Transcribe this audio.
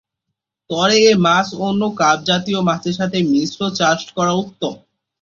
তবে এ মাছ অন্য কার্প জাতীয় মাছের সাথে মিশ্র চাষ করা উত্তম।